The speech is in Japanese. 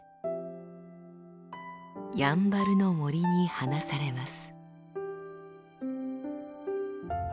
やんばるの森に放されます。